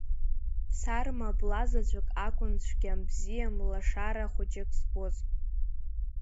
Сарма бла заҵәык акәын цәгьам-бзиам лашара хәыҷык збоз.